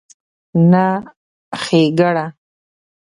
نه ښېګړه